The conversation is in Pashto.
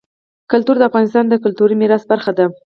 کلتور د افغانستان د کلتوري میراث برخه ده.